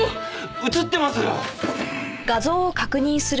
映ってます！